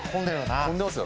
混んでますよ